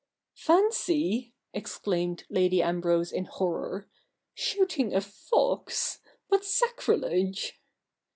'Fancy,' exclaimed Lady Ambrose in horror, 'shooting a fox ! what sacrilege